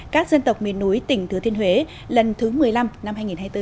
các dân tộc miền núi tỉnh thừa thiên huế lần thứ một mươi năm năm hai nghìn hai mươi bốn